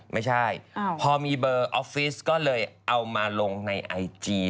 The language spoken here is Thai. ไม่ใช่พอมีเบอร์ออฟฟิศก็เลยเอามาลงในไอจี